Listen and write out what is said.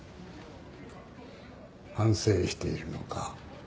反省しているのか？